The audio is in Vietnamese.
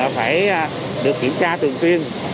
phải được kiểm tra thường xuyên